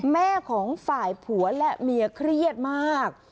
แม่ของฝ่ายผัวและเมียเครียดมาก